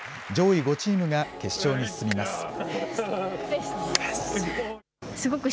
上位５チームが決勝に進みます。